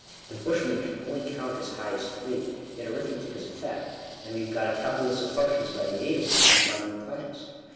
The Bushman can only count as high as three; yet arithmetic is a fact: and we have got a Calculus of Functions by the aid of which we find new planets.